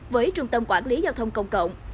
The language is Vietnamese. với trung tâm quản lý giao thông công cộng